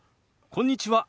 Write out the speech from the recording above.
こんにちは。